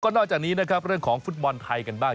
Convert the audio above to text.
นอกจากนี้นะครับเรื่องของฟุตบอลไทยกันบ้าง